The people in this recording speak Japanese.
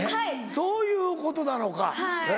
そういうことなのか。